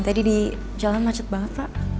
tadi di jalan macet banget pak